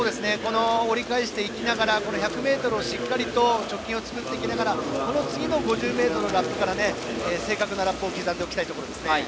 折り返していきながら１００ｍをしっかりと貯金を作りながらこの次の５０ｍのラップから正確なラップを刻みたいですね。